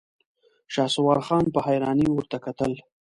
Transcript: شهسوار خان په حيرانۍ ورته کتل.